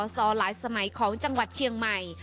สอหลายสมัยของจังหวัดเชียงใหม่